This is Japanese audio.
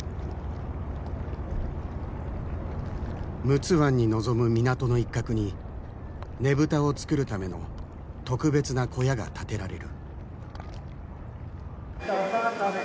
陸奥湾に臨む港の一角にねぶたを作るための特別な小屋が建てられる。